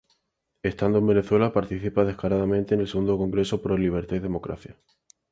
Estando en Venezuela participa destacadamente en el Segundo Congreso Pro Libertad y Democracia.